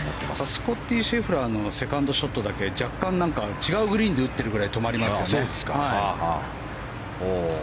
スコッティ・シェフラーのセカンドショットだけ若干、違うグリーンで打ってるっていうぐらい止まりますよね。